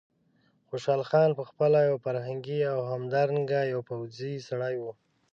خوشحال خان په خپله یو فرهنګي او همدارنګه یو پوځي سړی و.